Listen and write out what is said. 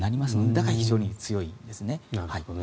だから非常に強いんですね。